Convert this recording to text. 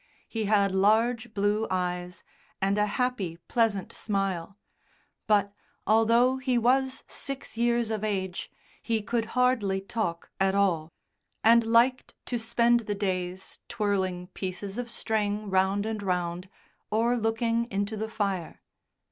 He had large blue eyes and a happy, pleasant smile, but, although he was six years of age, he could hardly talk at all, and liked to spend the days twirling pieces of string round and round or looking into the fire.